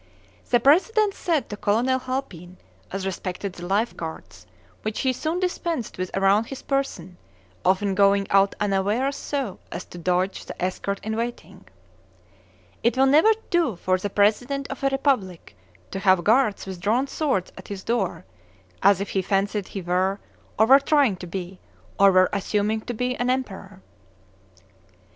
The President said to Colonel Halpine as respected the life guards, which he soon dispensed with around his person, often going out unawares so as to "dodge" the escort in waiting: "It will never do for the President of a republic to have guards with drawn swords at his door, as if he fancied he were, or were trying to be, or were assuming to be, an emperor."